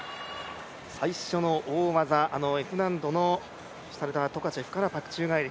最初の大技、あのＦ難度のシュタルダートカチェフからバク宙返り。